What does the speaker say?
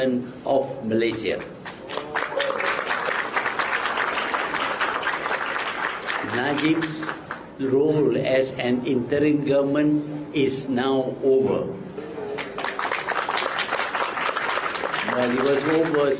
tapi itu sudah berakhir sejak malam yang lalu